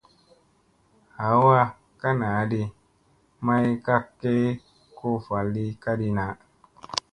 Ɦawa ka naa ɗi may kak ge ko vaa li ka di na.